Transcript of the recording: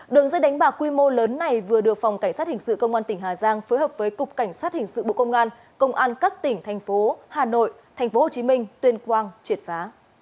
đường dây đánh bạc quy mô lớn này vừa được phòng cảnh sát hình sự công an tỉnh hà giang phối hợp với cục cảnh sát hình sự bộ công an công an các tỉnh thành phố hà nội tp hcm tuyên quang triệt phá